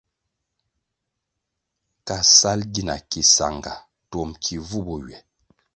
Ka sal gina ki sanga, twom ki vu bo ywe.